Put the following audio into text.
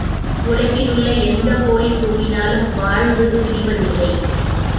உலகிலுள்ள எந்தக் கோழி கூவினாலும் வாழ்வு விடிவது இல்லை.